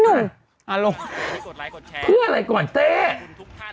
หนุ่มอ่าลงไม่กดไลก์กดแชร์เพื่ออะไรกว่าเจ๊ทุกท่าน